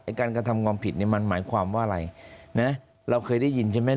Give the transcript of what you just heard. การกระทำความผิดเนี่ยมันหมายความว่าอะไรนะเราเคยได้ยินใช่ไหม